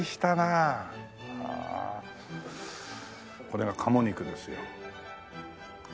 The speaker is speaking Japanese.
これが鴨肉ですよ。